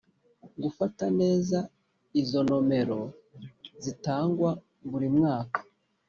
gufata neza izo nomero zitangwa buri mwaka